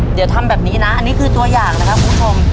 เดี๋ยวทำแบบนี้นะอันนี้คือตัวอย่างนะครับคุณผู้ชม